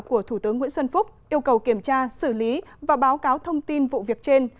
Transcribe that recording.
của thủ tướng nguyễn xuân phúc yêu cầu kiểm tra xử lý và báo cáo thông tin vụ việc trên